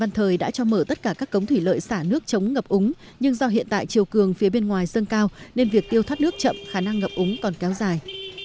văn thời đã cho mở tất cả các cống thủy lợi xả nước chống ngập úng nhưng do hiện tại chiều cường phía bên ngoài sân cao nên việc tiêu thoát nước chậm khả năng ngập úng còn kéo dài